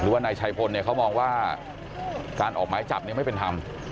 หรือว่าในชายภนเขามองว่าการออกหมายจับไม่เป็นธรรม